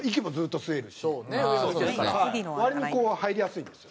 割に入りやすいんですよ。